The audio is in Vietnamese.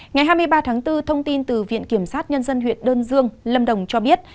ngày hai mươi ba tháng bốn thông tin từ viện kiểm sát nhân dân huyện đơn dương lâm đồng cho biết